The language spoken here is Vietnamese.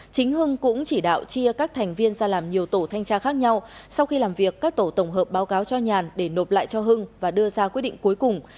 chính hưng cũng chỉ đạo chia các thành viên ra làm nhiều tổ thanh tra khác nhau sau khi làm việc các tổ tổng hợp báo cáo cho nhàn để nộp lại cho hưng và đưa ra quyết định cuối cùng